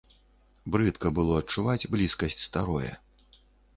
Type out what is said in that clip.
Брыдка было адчуваць блізкасць старое.